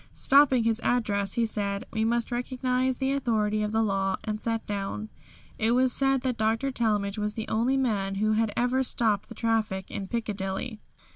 Stopping his address, he said, "We must recognise the authority of the law," and sat down. It was said that Dr. Talmage was the only man who had ever stopped the traffic in Piccadilly.